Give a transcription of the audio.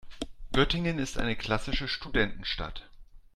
Göttingen ist eine klassische Studentenstadt.